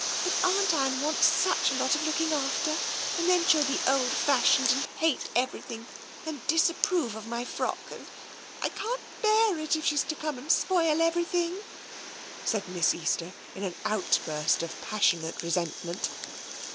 But Aunt Anne wants such a lot of looking after ; and then she'll be old fashioned, and hate every thing and disapprove of my frock, and — I can't bear it if she's to come and spoil ever3rthing," said Miss Easter, in an outburst of passionate resentment.